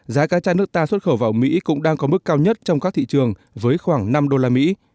giá cá cha nước ta xuất khẩu vào mỹ cũng đang có mức cao nhất trong các thị trường với khoảng năm đô la mỹ